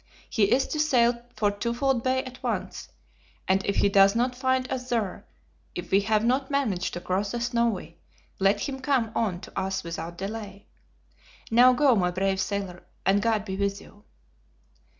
He is to sail for Twofold Bay at once; and if he does not find us there, if we have not managed to cross the Snowy, let him come on to us without delay. Now go, my brave sailor, and God be with you."